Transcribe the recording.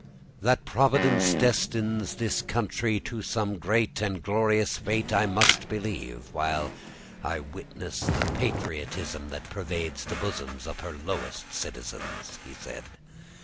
"That Providence destines this country to some great and glorious fate I must believe, while I witness the patriotism that pervades the bosoms of her lowest citizens," he said.